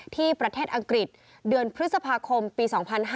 ที่ประเทศอังกฤษเดือนพฤษภาคมปี๒๕๕๙